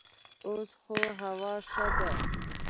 اوس خو هوا ښه ده.